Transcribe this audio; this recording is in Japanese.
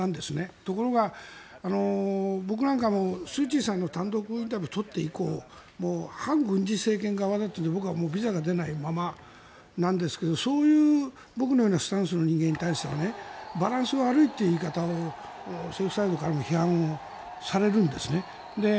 ところが、僕なんかもスーチーさんの単独インタビューを撮って以降反軍事政権側だったので僕はビザが出ないままなんですがそういう僕のようなスタンスの人間に対してバランスが悪いという批判をされるんですね。